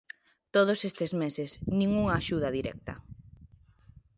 Todos estes meses, nin unha axuda directa.